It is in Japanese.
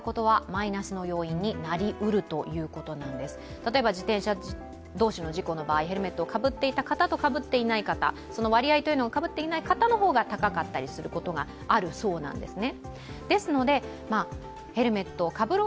例えば自転車同士の事故の場合、ヘルメットをかぶっていた方とかぶっていない方、その割合はかぶっていない方の方が高かったりすることがあるそうなんですね。